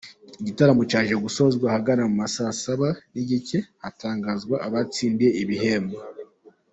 Igitaramo cyaje gusozwa ahagana mu ma saa saba n’igice hatangazwa abatsindiye ibihembo.